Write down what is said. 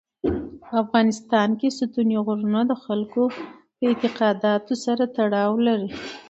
په افغانستان کې ستوني غرونه د خلکو د اعتقاداتو سره تړاو لري.